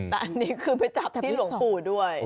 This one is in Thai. แต่อันนี้คือไปจับที่หลวงปู่ด้วย